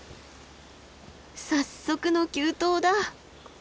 早速の急登だ。